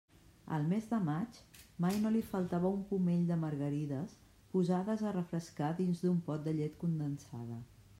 Al mes de maig mai no li faltava un pomell de margarides posades a refrescar dins d'un pot de llet condensada.